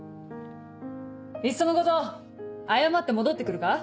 いっそのこと謝って戻って来るか？